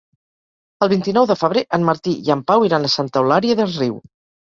El vint-i-nou de febrer en Martí i en Pau iran a Santa Eulària des Riu.